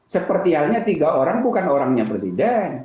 seperti halnya tiga orang bukan orangnya presiden